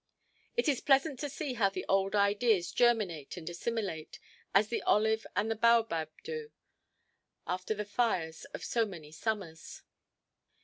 It is pleasant to see how the old ideas germinate and assimilate, as the olive and the baobab do, after the fires of many summers.